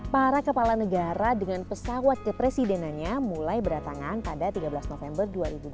para kepala negara dengan pesawat kepresidenannya mulai berdatangan pada tiga belas november dua ribu dua puluh